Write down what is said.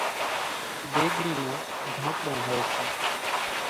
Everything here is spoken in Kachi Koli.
ۮيڳڙِي نون ڍانڪڙون هوئيَ سي۔